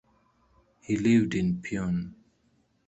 He lived in Pune.